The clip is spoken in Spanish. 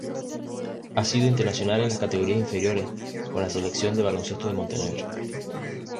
Ha sido internacional en las categorías inferiores con la Selección de baloncesto de Montenegro.